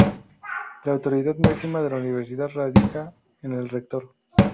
La autoridad máxima de la Universidad radica en el Rector.